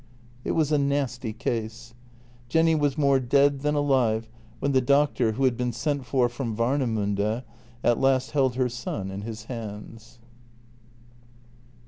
It was a nasty case. Jenny was more dead than alive when JENNY 246 the doctor, who had been sent for from Wamemunde, at last held her son in his hands.